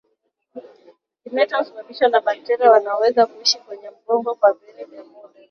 Kimeta husababishwa na bakteria wanaoweza kuishi kwenye udongo kama viini kwa muda